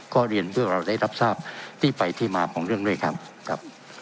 ก็เรียนเพื่อเราได้รับทราบที่ไปที่มาของเรื่องด้วยครับ